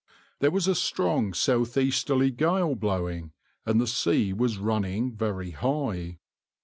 There was a strong south easterly gale blowing, and the sea was running very high.